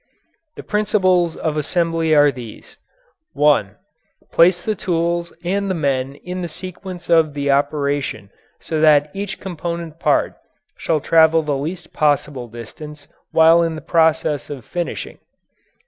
The principles of assembly are these: (1) Place the tools and the men in the sequence of the operation so that each component part shall travel the least possible distance while in the process of finishing.